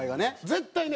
絶対ね